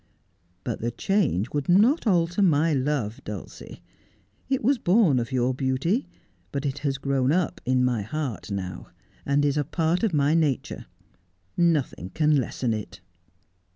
' But the change would not alter my love, Dulcie. It was born of your beauty, but it has grown up in my heart now, and is a part of my nature. Nothing can lessen it.'